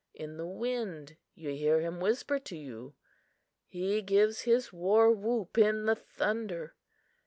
In the wind you hear him whisper to you. He gives his war whoop in the thunder.